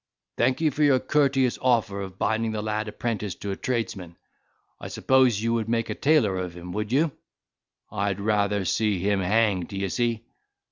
Thank you for your courteous offer of binding the lad apprentice to a tradesman. I suppose you would make a tailor of him—would you? I had rather see him hang'd, d'ye see.